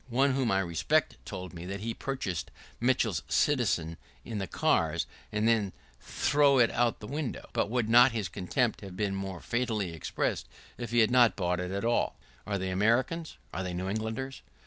One whom I respect told me that he purchased Mitchell's Citizen in the cars, and then threw it out the window. But would not his contempt have been more fatally expressed if he had not bought it? [¶28] Are they Americans? are they New Englanders?